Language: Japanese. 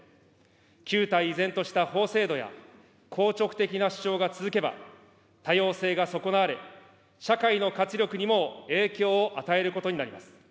旧態依然とした法制度や硬直的な主張が続けば、多様性が損なわれ、社会の活力にも影響を与えることになります。